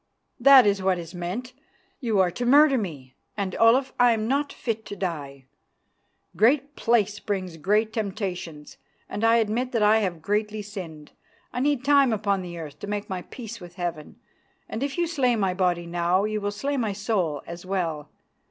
"That is what is meant. You are to murder me, and, Olaf, I'm not fit to die. Great place brings great temptations, and I admit that I have greatly sinned; I need time upon the earth to make my peace with Heaven, and if you slay my body now, you will slay my soul as well.